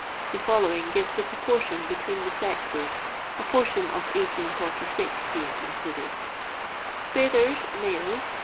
The following gives the proportion between the sexes, a portion of 1846 being included :— Bathers—Males